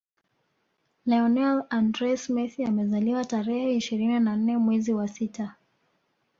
Lionel Andres Messi amezaliwa tarehe ishirini na nne mwezi wa sita